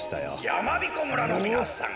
やまびこ村のみなさん。